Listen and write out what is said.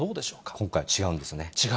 今回、違うんですね。